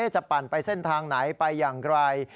ปั่นไปเส้นทางไหนไปอย่างไร